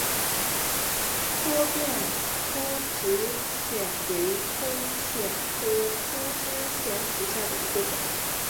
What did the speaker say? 多变粗枝藓为灰藓科粗枝藓属下的一个种。